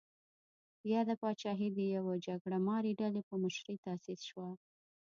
یاده پاچاهي د یوې جګړه مارې ډلې په مشرۍ تاسیس شوه.